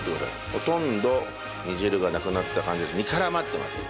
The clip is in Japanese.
ほとんど煮汁がなくなった感じで煮絡まってます。